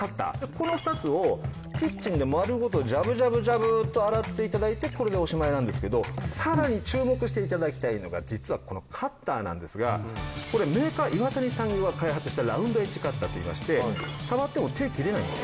この２つをキッチンで丸ごとジャブジャブジャブと洗って頂いてこれでおしまいなんですけどさらに注目して頂きたいのが実はこのカッターなんですがこれメーカーイワタニさんが開発したラウンドエッジカッターといいまして触っても手切れないんです。